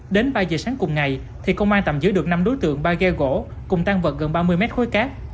đến ba giờ sáng cùng ngày thì công an tạm giữ được năm đối tượng ba ghe gỗ cùng tan vật gần ba mươi mét khối cát